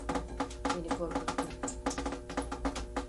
Beni korkuttun.